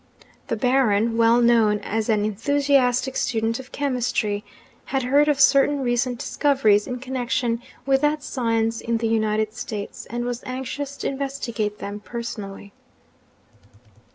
The Baron, 'well known as an enthusiastic student of chemistry,' had heard of certain recent discoveries in connection with that science in the United States, and was anxious to investigate them personally.